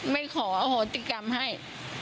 ไม่ขออโหติกรรมให้